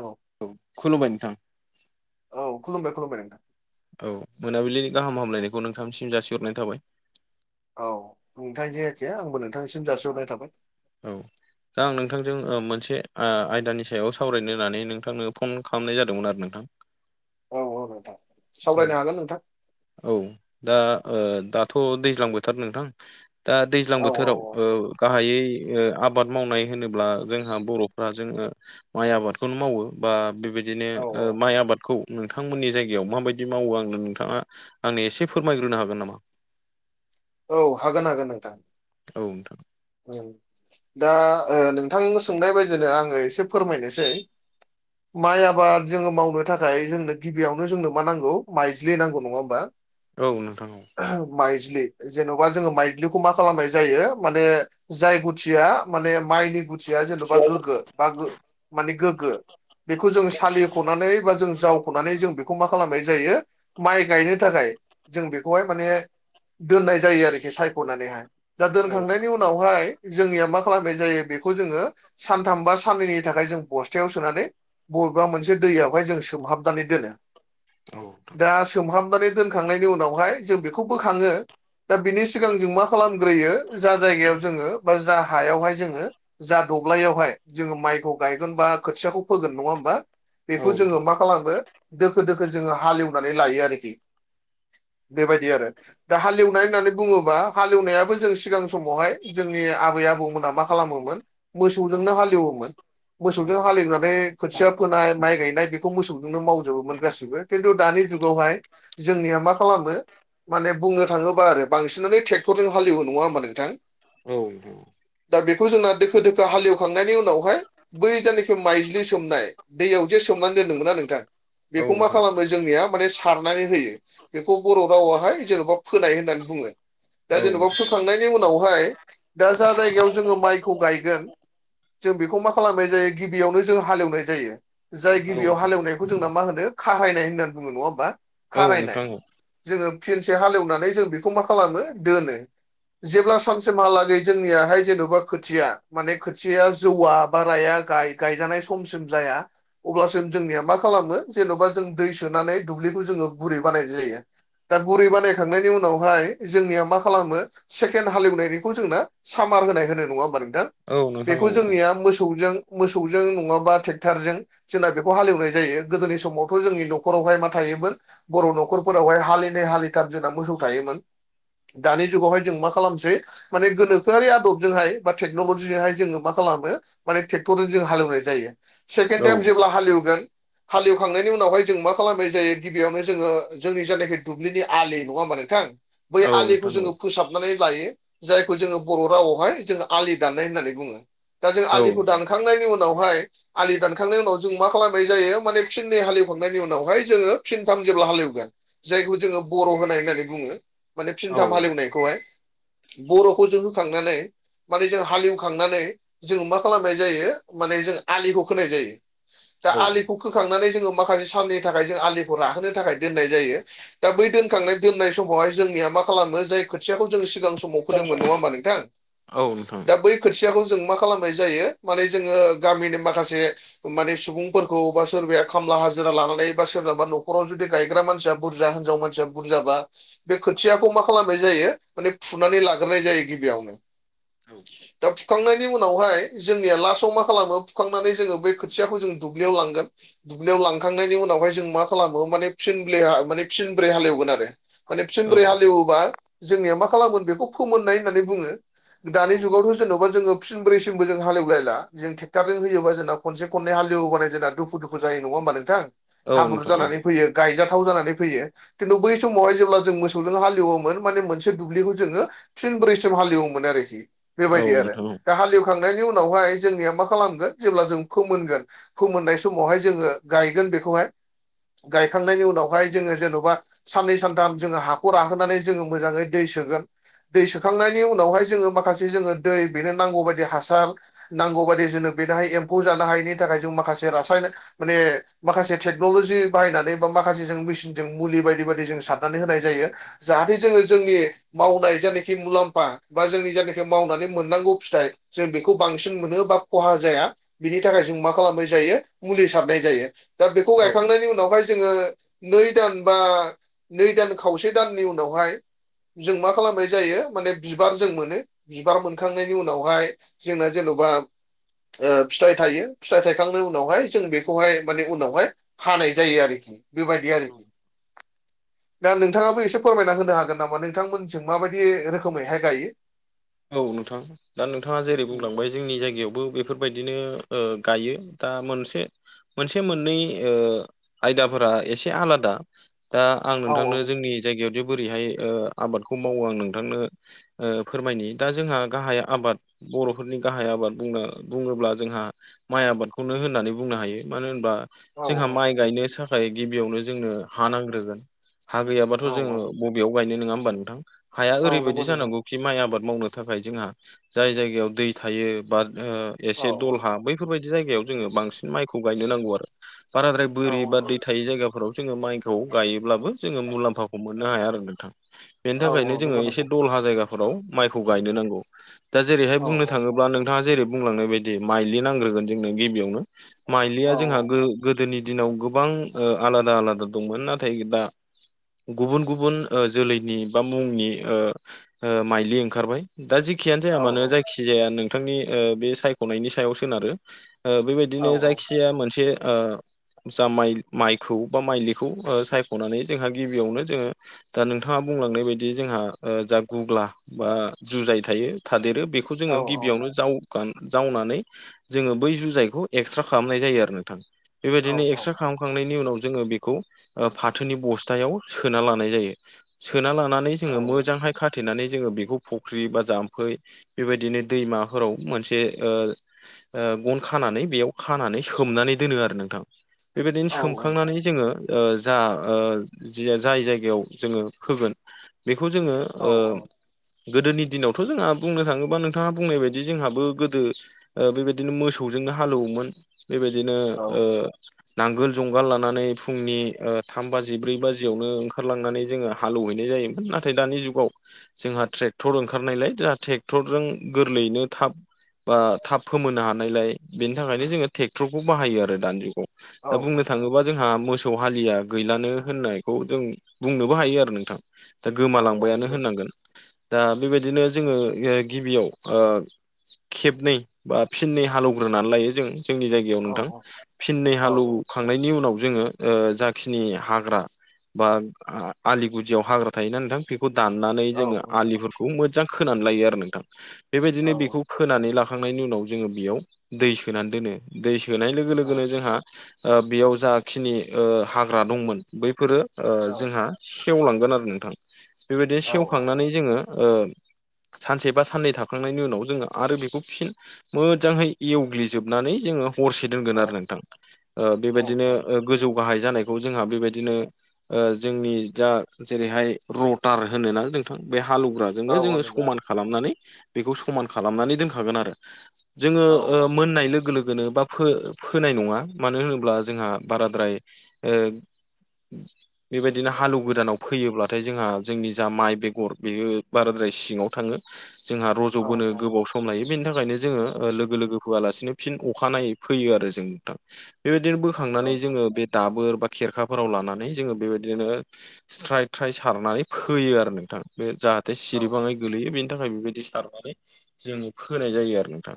औ। औ खुलुमबाय नोंथां। औ खुलुमबाय खुलुमबाय नोंथां। औ मोनाबिलिनि गाहाम हामलायनायखौ नोंथांनिसिम जासिहरनाय थाबाय। औ नोंथांनि [unintelligible] आंबो नोंथांनिसिम जासिहरनाय थाबाय। औ। दा आं नोंथांजों मोनसे आयदानि सायाव सावरायनो होननानै नोंथांनो फन खालामनाय जादोंमोन आरो नोंथां। औ औ औ दार औ सावरायनो हागोन नोंथां। औ दा दाथ' दैज्लां बोथार नोंथां। दा दैज्लां औ बोथोराव गाहायै आबाद मावनाय होनोब्ला जोंहा बर'फ्ररा जोंडों माइ आबादखौनो बा बेबादि औ बिदिनो औ माइ आबादखौ नोंथांमोननि जायगायाव माबायदि मावो आंनो नोंथाङा आंनि एसे फोरमायग्रोनो हागोन नामा? औ हागोन हागोन नोंथां। औ नोंथां। दा ओ नोंथां सोंनाय बायदिनो आङो एसे फोरमायनोसै माइ आबाद जोङो मावनो थाखाय जोंनो गिबियावनो जोंनो मा नांगौ माइज्लि नांगौ नङा होमबा? औ नोंथां औ। माइज्लि जेन'बा जोङो माइज्लिखौ मा खालामनाय जायो माने जाय गुथिया माने माइनि गुथिया जेन'बा गोग्गो बा गो माने गोग्गो। बेखौ जों सालिख'नानै बा जों जावख'नानै जों बेखौ मा खालामनाय जायो माइ गायनो थाखाय जों बेखौहाय माने दोननाय जायो आरोखि सायख'नानैहाय। दा दोनखांनायनि उनावहाय जोंनिया मा खालामनाय जायो बेखौ जोङो सानथाम बा साननैनि थाखाय जों बस्थायाव सोनानै बबेबा मोनसे दैयावहाय जों सोमहाबनानै दोनो। औ। दा सोमहाबनानै दोनखांनायनि उनावहाय जों बेखौ बोखाङो। दा बिनि सिगां जों मा खालामग्रोयो जा जायगायाव जोङो बा जा हायावहाय जोङो जा दब्लायावहाय जोङो माइखौ गायगोन बा खोथियाखौ फोगोन नङा होमबा बेखौ औ जोङो नोंथां मा खालामो दोखो दोखो जोङो हालेवनानै लायो आरोखि। बेबायदि आरो दा हालेवनाय होननानै बुङोबा हालेवनायाबो जों सिगां सम बहाय जोंनि आबै आबौमोना मा खालामोमोन मोसौजोंनो हालेवोमोन। औ मोसौजों हालेवनानै खोथिया फोनाय माइ गायनाय बेखौ मोसौजोंनो मावजोबोमोन गासिबो। खिन्थु दानि जुगावहाय जोंनिया मा खालामो माने बुंनो थाङोबा आरो बांसिनानो ट्रेक्टरजों हाललिवौ नङा होमबा नोंथां? औ-औ। दा बेखौ जोंना दोखो दोखो हालेवखांनायनि उनावहाय बै जानाखि माइज्लि सोमनाय दैयाव जे सोमनानै दोनदोंमोना नोंथां? औ बेखौ मा नोंथां खालामो जोंनिया माने सारनानै होयो बेखौ बर' रावाहाय जेन'बा फोनाय होननानै बुङो। दा औ जेनेबा फोखांनायनि उनावहाय दा जा जायगायाव जोङो माइखौ गायगोन जों बेखौ मा खालामनाय जायो गिबियावनो जों हालेवनाय जायो। जाय गिबियाव नोंथां हालेवनायखौ जोंना मा होनो खाहायनाय होननानै बुङो नङा होमबा? औ खारायनाय नोंथां जोङो फिनसे हालेवनानै जों बेखौ मा खालामो दोनो। जेब्ला सानसेमहालागै जोंनियााहाय जेन'बा खोथिया माने खोथिया जौवआ बाराया गाय गायजानाय समसिम जाया अब्लासम जोंनिया मा खालामो जेन'बा जों दै सोनानै दुब्लिखौ जोङो गुरै बानायनाय जायो। दा बुरै बानायखांनायनि उनावहाय जोंनिया मा खालामो फेन हालेवनायनिखौ जोंना सामार होनाय होनो नङा होमबा नोंथां? औ नोंथां बेखौ औ जोंनिया मोसौजों मोसौजों नङाबा ट्रेक्टरजों जोंना बेखौ हालेवनाय जायो गोदोनि समावथ' जोंनि न'खरावहाय मा थायोमोन बर' न'खरफोरावहाय हालिनै हालिथार जोंना मोसौ थायोमोन दानि जुगावहाय जों मा खालामसै माने गोनोखोआरि आदबजोंहाय बा टेक्न'लजिजोंहाय जोङो मा खालामो माने ट्रेक्टरजों जों हालेवनाय जायो सेकेण्ड टाइम औ जेब्ला हालेवगोन हालेवखांनायनि उनावहाय जों मा खालामबाय जायो गिबियावनो जोङो जोंनि जायनाखि दुब्लिनि आलि नङा होमबा नोंथां? बै आलिखौ नोंथां औ जोङो फोसाब नानै लायो जायखौ जोङो बर' रावावहाय जो आलि दाननाय होननानै बुङो दा जों औ आलिखौ दान खांनायनि उनावहाय आलि दानखांनायनि उनाव जों मा खालामनाय जायो माने फिनै हालेवखांनायनि उनावहाय जोङो फिनथाम जेब्ला हालेवगोन जायखौ जोङो बर' होनाय होननानै बुङो माने फिनथाम औ हालेवनायखौहाय बर'खौ जखांनानै माने जों हालेवखांनानै जोंङो मा खालामनाय जायो माने जों आलिखौ खोनाय जायो। दा आलिखौ औ खोखांनानै जोङो माखासे साननि थाखाय जों आलिखौ राहोनो थाखाय दोननाय जायो। दा बै दोनखांनाय दोननाय समावहाय जोंनिया मा खालामो जाय खो थियाखौ जों सिगां समाव फोदोंमोन नङा होमबा नोंथां? नोंथां औ नोंथां दा बै खोथियाखौ जों मा खालामनाय जायो माने जोङो गामिनि माखासे माने सुबुंफोरखौ बा सोरबाया खामला हाजिरा लानानै बा सोरनाबा न'खराव जुदि गायग्रा मानसिया बुरजा हिनजाव मान बुरजाबा बे खोथियाखौ मा खालामनाय जायो माने फुनानै लाग्रोनाय जायो गिबियावनो दा फुखांनायनि उनावहाय जोंनिया लास्टआव मा खालामो फुखांनानै जोङो बै खोथियाखौ जोंङ दुब्लियाव लांगोन दुब्लियाव लांखांनायनि उनावहाय जों मा खालामो माने फिनब्रे माने फिनब्रै हालेवगोन आरो माने औ फिनब्रै हालेवोबा जोंनिया मा खालामगोन बेखौ फोमोननाय होननानै बुङो। दानि जुगावथ' जेन'बा जोङो साबसिन ब्रैसिमबो जों हालेवलायला जों ट्रेक्टारजों होयोब जोंना खनसे खन हालेव होनाय जोंना दखु दु जायो नङाोमबा नोंथां? औ नोंथां औ हाब्रु नोंथां औ जानानै फैयो गायजाथाव जानानै फैयो खिन्थु बै समावहाय जेब्ला जों मोसौजों हालेवोमोन। माने मोनसे दुब्लिखौ जोंङो फिनब्रैसिन हालएवोमोन आरोखि औ बेबायदि आरो नोंथां दा हालएव खांनायनि उनावहाय जोंनिया मा खालामगोन जेब्ला जों फोमोनगोन। फोमोननाय समावहाय जोङो गायगोन बेखौहाय गायखांनायनि उनावहाय जोङो जेन'बा साननै सानथाम जोङो हाखौ राहोनानै जोङो मोजाङै दै सोगोन। दै सोखांनायनि उनावहाय जोङो माखासे जोङो दै बेनो नांगौ बायदि हासार नांगौ बाददि जोंनो बेनोहाय एम्फौ जानो हायिनि थाखाय जों माखासे रासायनक माने माखासे टेक्न'ल'जि बाहायनानै बा माखासे जों मेसिनजों मुलि बायदि बायदि जों सारनानै होनाय जायो। जाहाथे जोङो जोंनि मावनाय जानाखि मुलाम्फा बा जोंनि जायनाखि मावनानै मोननांगौ फिथाइ जों बेखौ बांसिन मोनो बा खहा जाया बिनि थाखाय जों मा खालामनाय जायो मुलि सारनाय जायो। दा बेखौ औ गायखांनायनि उनावहाय जोङो नै दान बा नै दान खावसे दाननि उन बेवहाय जों मा खालामनाय जायो माने बिबार जों मोनो बिबार मोनखांनायनि उनावहाय जोंना जेन'बा फिथाइ थायो फिथाइ थायखांनायनि उनावहाय जों बेखौहाय माने उनावहाय हानाय जायो आरोखि बेबायदि औ आरोखि दा नोंथाङाबो एसे फोरमायना होनो हागोन नामा नोंथांमोनजों माबायदि रोखोमैहाय गायो? औ नोंथां। दा नोंथाङा जेरै बुंलांबाय जोंनि जायगायावबो बेफोरबायदिनो ओ गायो दा मोनसे मोनसे मोननै ओ आयदाफोरा एसे आलादा दा आं औ नोंथांनो जोंनि जायगायाव दि बोरैहाय ओ आबादखौ मावो आं नोंथांनो ओ फोरमायनि दा जोंहा गाहाय आबाद बर'फोरनि गाहाय आबाद बुंनो बुङोब्ला जोंहा माइ आबादखौनो होननानै बुंनो हायो मानो होनबा औ जोंहा माइ गायनो साखाय गिबियावनो जोंनो हा नांग्रोगोन हा गैयाबाथ' औ जोङो बबेयाव गायनो नङा होमबा नोंथां? हाया औ ओरैबायदि नंगौ नंगौ जानांनौ माइ आबाद मावनो थाखाय जोंहा जाय जायगायाव दै थायो बा ओ औ एसे दलहा बैफोरबायादि जायगायाव जोङो बांसिन माइखौ गायनो नांगौ आरो। बाराद्राय औ बोरि बा दै थायै जायगाफोराव जोङो माइखौ गायोब्लाबो जोङो मुलाम्फाखौ मोननो हाया आरो नोंथां। बेनि औ थाखायनो औ जोङो नंगौ एसे नंगौ दलहा जायगाफोराव माइखौ गायनो नांगौ। दा जेरैहाय औ बुंनो थाङोब्ला नोंथाङा जेरै बुंलांनाय बायदि माइलि नांग्रोगोन जोंनो गिबियावनो औ माइलिया जोंहा औ गो-गोदोनि दिनाव गोबां ओ आलादा आलादा दंमोन नाथाय दा गुबुन गुबुन ओ जोलैनि बा मुंनि ओ ओ माइलि खारबाय दा जिखियानो जाया मानो जाय खिजाया नोंथांनि ओ बे सायख'नायनि सायाव सोनारो ओ औ बेबायदिनो औ औ जायखिजाया मोनसे ओ जा माइ-माइखौ बा माइलिखौ सायख'नानै जोंहा गिबियावनो जोङो दा नोंथाङा बुंलांनाय बायदि जोंहा ओ जा गुग्ला बा जुजाय थायो थादेरो बेखौ औ जोङो गिबियावनो जाव खान जावनानै जोङो बै जुजायखौ एक्सट्रा खालामनाय जायो आरो नोंथां। औ बेबायदिनो एक्स्रा खाम खांनायनि उनाव जोङो बेखौ ओ फाथोनि बस्थायाव सोना लानाय जायो। सोना लानानै औ जोङो मोजांहाय खाथेनानै जोङो बेखौ फख्रि बा जाम्फै बेबायदिनो दैमाफोराव मोनसे ओ ओ गन खानानै बेयाव खानानै सोमनानै दोनो आरो नोंथां। बेबायदिनो औ सोमखांनानै जोङो ओ जा ओ जाय जायगायाव जोङो फोगोन बेखौ जोङो औ ओ औ गोदोनि दिनावथ' जोंहा बुंनो थाङोबा नोंथाङा बुंनाय बायदि जोंहाबो गोदो ओ बेबायदिनो मोसौजोंनो हालौवोमोन बेबायदिनो औ ओ नांगोल जुंगाल लानानै फुंनि ओ थाम बाजि ब्रै बाजियावनो ओंखारलांनानै जोङो हालौवहैनाय जायोमोन नाथाय दानि जुगाव जोंहा ट्रेक्टर ओंखारनायलाय दा ट्रेक्टरजों गोरलैयैनो थाब बा थाब फोमोनो हानायलाय बेनि थाखायनो जोङो ट्रेक्टरखौ बाहायो आरो दानि जुगाव औ दा बुंनो थाङोबा जोंहा मोसौ हालिया गैलानो होननायखौ जों बुंनोबो हायो आरो नोंथां। दा नंगौ औ औ गोमालांबायानो होनांगोन दा बेबायदिनो जोङो गिबियाव ओ खेबनै बा फिननै हालौग्रोनानै लायो जों जोंनि जाय याव औ नंगौ औ नोंथां औ फिननै औ हालौवखांनायनि उनाव जोङो ओ जाखिनि हाग्रा बा आलिगुदियाव हाग्रा थायोना नोंथां बेखौ दानना औ जोङो आलिफोरखौ मोजां खोनानै लायो आरो नोंथां बेबायदिनो औ बेखौ खोनानै लाखांनायनि उनाव जोङो बेयाव दै सोनानै दोनो दै सोनाय लोगो औ लोगोनो जोंहा ओ बेयाव जाखिनि ओ हाग्रा दंमोन बैफोरो ओ जोंहा सेवलांगोन आरो नोंथां बेबायदिनो सेवखांनानै जोङो ओ सानसे बा साननै थाखाखांनायनि उनाव जोङो आरो बेखौ फिन मोजांहै एवग्लिजोबनानै जोङो हरसे दोनगोन आरो नोंथां ओ बेबायदिनो ओ गोजौ गाहाय जानायखौ जोंहा बेबायदिनो ओ जोंनि दा जेरैहाय रटार होनोना नों बे हालुग्राजोंनो जोङो समान खालामनानै बेखौ समान खालामनानै दोनखागोन आरो। जोङो ओ मोननाय लोगो लोगोनो बा फो-फोनाय नङा मानो होनोब्ला जोंहा बाराद्राय ओ बेबायदिनो हालु गोदानाव फैयोब्लाथाय जोंहा जोंनि जा माइ बेग गर बेयो बाराद्राय सिङाव थाङो जोंहा रज'बोनो गोबाव स सम लायो बेनि थाखायनो जोङो लोगो लोगो फोआलासिनो फिन अखानायै फैयो आरो जों नोंथां। बेबायदिनो बोखांनानै जोङो बे दाबोर बा खेरखाफोराव लानानै जोङो बेबायदिनो स्राय थ्राय सारनानै फोयो आरो नोंथां। बे जाहाथे सिरिबाङै गोलैयो बेनि थाखाय बेबायदि सारनानै जोङो फोनाय जायो आरो नोंथां।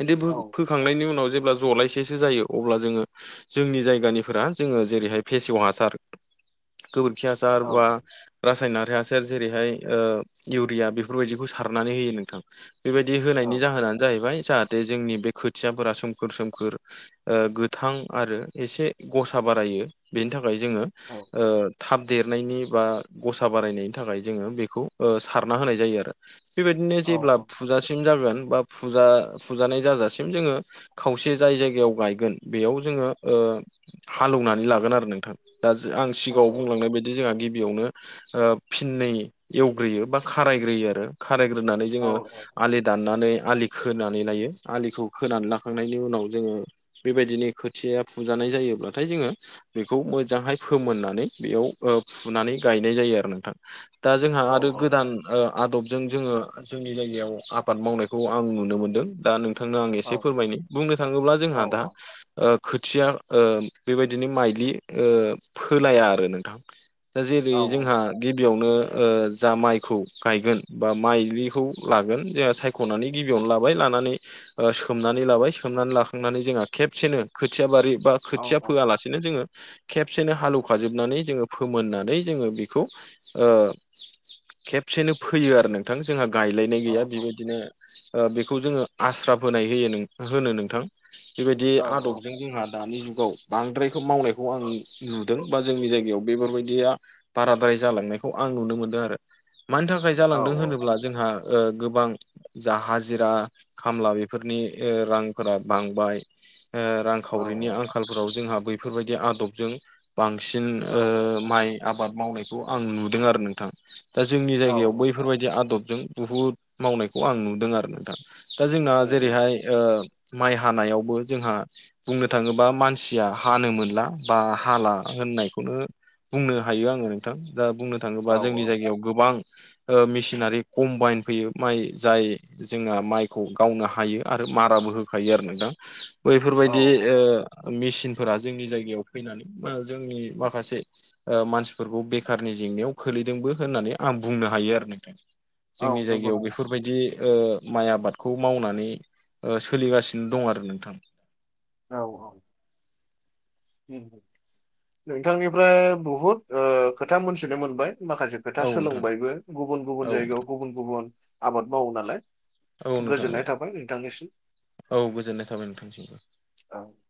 बिदि फो-फोखांनायनि उनाव जेब्ला जलायसेसो जायो अब्ला जोङो जोंनि जायगानिफोरा जोङो जेरैहाय फेसेव हासार गोबोरखि हासार बा रासायनारि हासार जेरैहाय ओ इउरिया बेफोरबायदिखौ सारनानै होयो नोंथां। बेबायदि होनायनि जाहोनानो जाहैबाय जाहाथे जोंनि बे खोथियाफोरा सोमखोर सोमखोर ओ गोथां आरो एसे गसा बारायो बेनि थाखाय जोङो ओ थाब देरनायनि बा गसा बारायनायनि थाखाय जोङो बेखौ ओ सारना होनाय जायो आरो बेबायदिनो जेब्ला फु फुजासिम जागोनन बा फुजा-फुजानाय जाजासिम जोङो खावसे जाय जायगायाव गायगोन बेयाव जोङो ओ हालौवनानै लागोन आरो नों थां दा आं सिगाङाव बुंलांनाय बायदि जोंहा गिबियावनो ओ फिननै एवग्रोयो बा खारायग्रोयो आरो खारायग्रोनानै जोङो आलि दाननानै आलि खोनानै लायो आलिखौ खोनानै लाखांनायनि उनाव जोङो बेबायदिनो खोथिया फुजानाय जायोब्लाथाय जोङो बेखौ मोजांहाय फोमोननानै बेयाव फुनानै गायनाय जायो आरो नोंथां। दा जोंहा आरो गोदान ओ आदबजों जोङो जोंनि जायगायाव आबाद मावनायखौ आं नुनो मोनदों दा नों थांनो आं एसे फोरमायनि बुंनो थाङोब्ला जोंहा दा ओ खोथिया ओ बेबायदिनो माइलि ओ फोलाया आरो नोंथां। दा जेरै जोंहा गिबियावनो ओ जा माइखौ गायगोन बा माइखौ लागोन जोंहा साय ख'नानै गिबियावनो लाबाय लानानै सोमनानै लाबाय सोमनानै लाखांनानै जोंहा खेबसेनो खोथिया बारि बा खोथिया फोयालासेनो जोङो खेबसेनो हालौखाजोबनानै जोङो फोमोननानै जोङो बेखौ ओ खेबसेनो फोयो आरो नोंथां जोंहा गायलायनाय गैया बेबायदिनो ओ बेखौ जोङो आस्रााब होनाय होयो होनो नोंथां बेबायदि आदब जों जोंहा दानि जुगाव बांद्रायखौ मावनायखौ आं नुदों बा जोंनि जायगायाव बेफोरबायदिया बाराद्राय जालांनायखौ आं नुनो मोनदों आरो मानि थाखाय जालांदों होनोब्ला जोंहा ओ गोबां जा हाजिरा खामला बेफोरनि रांफोरा बांबाय ओ रां खावरिनि आंखालफोराव जोंहा बैफोरबायदि आदबजों बांसिन ओ माइ आबाद मावनायखौ आं नुदों आरो नोंथां दा जोंनि जायगायाव बैफोरबायदि आदबजों बुहुद मावनायखौ आं नुदों आरो नोंथां दा जोंना जेरैहाय ओ माइ हानायावबो जोंहा बुंनो थाङोबा मानसिया हानो मोनला बा हाला होननायखौनो बुंनो हायो आङो नोंथां दा बुंनो औ थाङोबा जोंनि औ जायगायाव गोबां मेसिनारि कम्बाइन फैयो माइ जाय जोंहा माइखौ गावनो हायो आरो माराबो होखायो आरो नोंथां औ बैफोरबायदि ओ मेसिनफोरा जोंनि जायगायाव फैनानै बा जोंनि माखासे मानसि बेफोरखौ बेखारनि जेंनायाव खोलैदोंबो होननानै आं बुंनो हायो आरो नोंथां औ जोंनि नंगौ जायगायाव नोंथां बेफोर बेबायदि ओ माइ आबादखौ मावनानै सोलिगासिनो दं आरो नोंथां औ-औ नोंथांनिफ्राय बुहुद खोथा मोनथिनो मोनबाय माखासे खोथा औ नोंथां सोलोंबायबो गुबुन-गुबुन औ जायगायाव गुबुन-गुबुन आबाद मावो नालाय औ नोंथां गोजोननाय औ थाबाय नोंथांनिसिम औ गोजोननाय थाबाय नोंथांसिम। औ